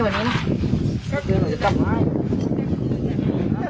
เอาละมันไปเป็นพันธุ์อะไร